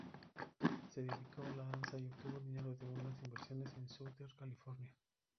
Se dedicó a la danza, y obtuvo dinero de unas inversiones en Southern California.